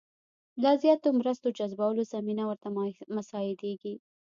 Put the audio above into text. لا زیاتو مرستو جذبولو زمینه ورته مساعدېږي.